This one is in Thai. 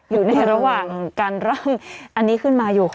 อยู่ในระหว่างการร่างอันนี้ขึ้นมาอยู่